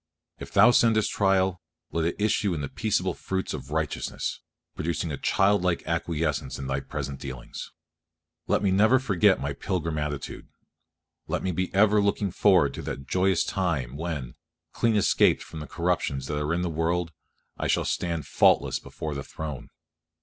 If Thou sendest trial, let it issue in the peaceable fruits of righteousness, producing a child like acquiescence in Thy present dealings. Let me never forget my pilgrim attitude. Let me be ever looking forward to that joyous time when, "clean escaped" from the corruptions that are in the world, I shall stand "faultless before the Throne."